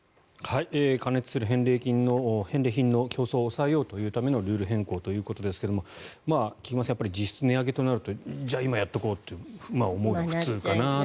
過熱する返礼品の競争を抑えようというためのルール変更ということですが菊間さん、実質値上げとなるとじゃあ、今やっておこうと思うのが普通かなという。